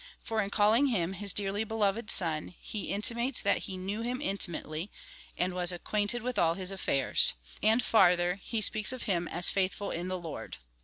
For in calling him his dearly beloved son, he inti mates that he knew him intimately, and was acquainted with all his aifairs ; and farther, he speaks of him as faithful in the Lord.